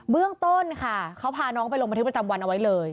เรื่องต้นค่ะเขาพาน้องไปลงบันทึกประจำวันเอาไว้เลย